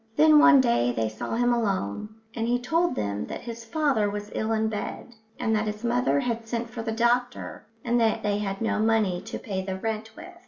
Then one day they saw him alone, and he told them that his father was ill in bed, and that his mother had sent for the doctor, and that they had no money to pay the rent with.